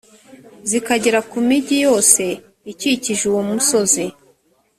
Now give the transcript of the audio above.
zikagera ku migi yose ikikije uwo musozi;